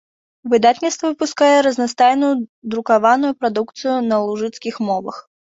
Выдавецтва выпускае разнастайную друкаваную прадукцыю на лужыцкіх мовах.